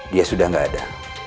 dia sudah gak ada